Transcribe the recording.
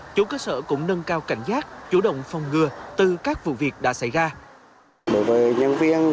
chủ cơ sở cũng nâng cao cảnh giác chủ động phòng ngừa từ các vụ việc đã xảy ra